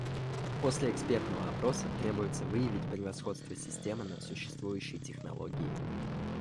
После экспертного опроса требуется выявить превосходство системы над существующей технологией